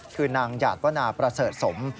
คือนางญาติว่านาประเสริฐสม